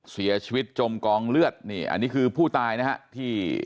เสียชีวิตจมกองเลือดอันนี้คือผู้ตายนะครับ